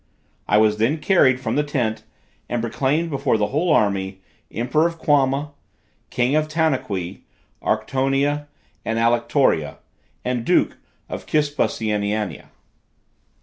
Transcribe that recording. I was then carried from the tent and proclaimed before the whole army, emperor of Quama, king of Tanaqui, Arctonia and Alectoria, and duke of Kispusianania.